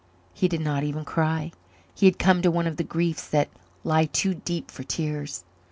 He did not even cry. He had come to one of the griefs that lie too deep for tears.